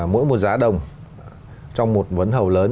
mỗi một giá đồng trong một vấn hầu lớn